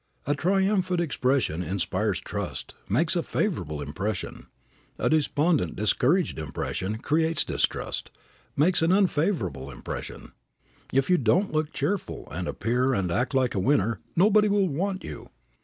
A triumphant expression inspires trust, makes a favorable impression. A despondent, discouraged expression creates distrust, makes an unfavorable impression. If you don't look cheerful and appear and act like a winner nobody will want you.